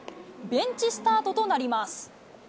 ベンチスタートとなります。